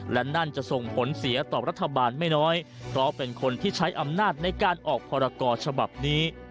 และนั่นจะส่งผลเสียต่อรัฐบาลไม่น้อยเพราะเป็นคนที่ใช้อำนาจในการออกพรกรฉบับนี้